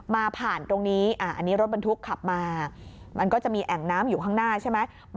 ผ่านตรงนี้อันนี้รถบรรทุกขับมามันก็จะมีแอ่งน้ำอยู่ข้างหน้าใช่ไหม